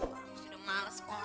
kamu sudah malas sekolah